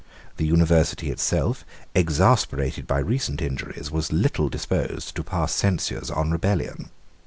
The University itself, exasperated by recent injuries, was little disposed to pass censures on rebellion.